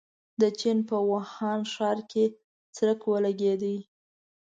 د چين په ووهان ښار کې څرک ولګېد.